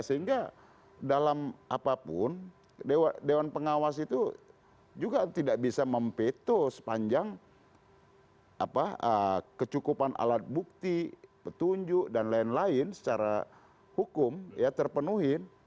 sehingga dalam apapun dewan pengawas itu juga tidak bisa mempeto sepanjang kecukupan alat bukti petunjuk dan lain lain secara hukum ya terpenuhi